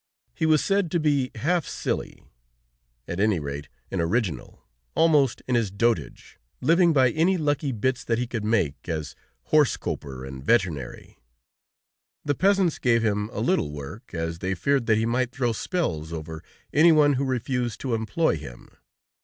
He was said to be half silly, at any rate an original, almost in his dotage, living by any lucky bits that he could make as horse coper and veterinary. The peasants gave him a little work, as they feared that he might throw spells over anyone who refused to employ him.